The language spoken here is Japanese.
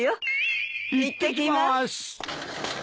いってきます。